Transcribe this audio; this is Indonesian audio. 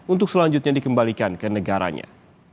untuk selanjutnya dikembalikan ke negaranya